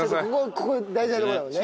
ここ大事なとこだもんね。